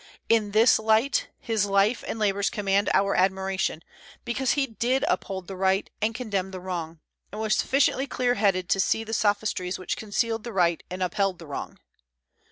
In this light, his life and labors command our admiration, because he did uphold the right and condemn the wrong, and was sufficiently clear headed to see the sophistries which concealed the right and upheld the wrong.